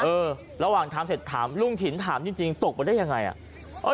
เออระหว่างทำเสร็จถามลุงถิ่นถามจริงตกไปได้ยังไงอ่ะ